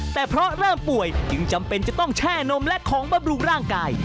แต่เพราะเริ่มป่วยจึงจำเป็นจะต้องแช่นมและของบำรุงร่างกาย